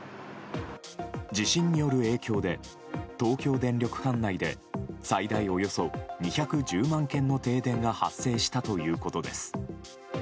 地震による影響で東京電力管内で最大およそ２１０万軒の停電が発生したということです。